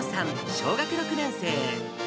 小学６年生。